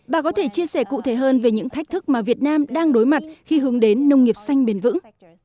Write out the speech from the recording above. bà có thể chia sẻ cụ thể hơn về những thách thức mà việt nam đang đối mặt khi hướng đến nông nghiệp xanh bền vững